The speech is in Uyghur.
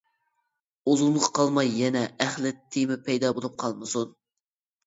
ئۇزۇنغا قالماي يەنە «ئەخلەت» تېما پەيدا بولۇپ قالمىسۇن.